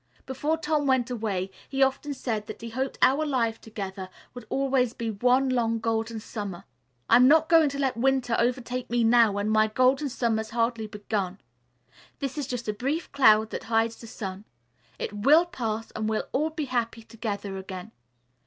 Before Tom went away he often said that he hoped our life together would always be one long Golden Summer. I'm not going to let winter overtake me now when my Golden Summer's hardly begun. This is just a brief cloud that hides the sun. It will pass and we'll all be happy together again.